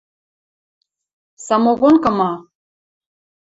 Самогонка ма?